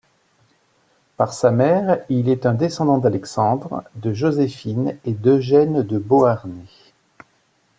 Par sa mère, il est un descendant d'Alexandre, de Joséphine et d'Eugène de Beauharnais.